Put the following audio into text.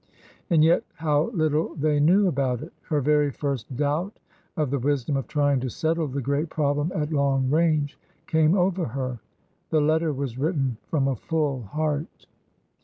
And yet— how little they knew about it ! Her very first doubt of the wisdom of trying to settle the great problem at long range came over her. The letter was written from a full heart.